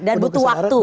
dan butuh waktu